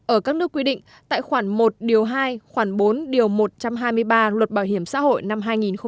ở các nước quy định tại khoản một điều hai khoảng bốn điều một trăm hai mươi ba luật bảo hiểm xã hội năm hai nghìn một mươi bốn